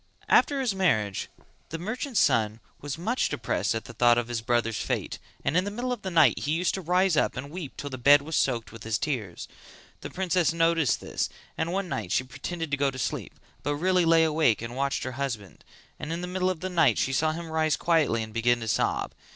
After his marriage the merchant's son was much depressed at the thought of his brothers' fate and in the middle of the night he used to rise up and weep till the bed was soaked with his tears; the princess noticed this and one night she pretended to go to sleep but really lay awake and watched her husband; and in the middle of the night saw him rise quietly and begin to sob.